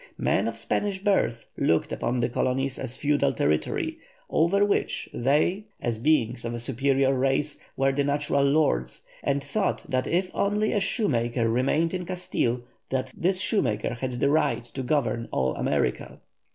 Men of Spanish birth looked upon the colonies as feudal territory, over which they, as beings of a superior race, were the natural lords, and thought that if only a shoemaker remained in Castile, this shoemaker had the right to govern all America.